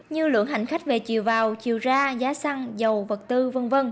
như lượng hành khách về chiều vào chiều ra giá xăng dầu vật tư v v